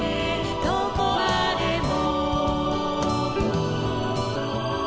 「どこまでも」